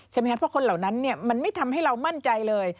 ครับเพราะคนเหล่านั้นมันไม่ทำให้เรามั่นใจเลย